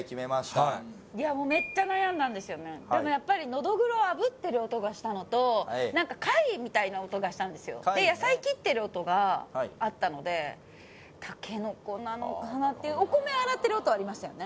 はいもうメッチャ悩んだんですよねでもやっぱりがしたのと何かがしたんですよで野菜切ってる音があったのでタケノコなのかなっていうお米洗ってる音ありましたよね？